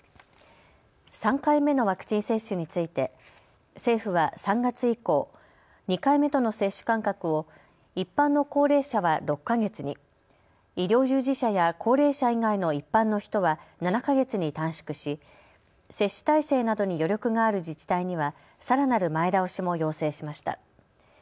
３回目のワクチン接種について政府は３月以降、２回目との接種間隔を一般の高齢者は６か月に、医療従事者や高齢者以外の一般の人は７か月に短縮し接種体制などに余力がある自治体にはさらなる前倒しも要請しました。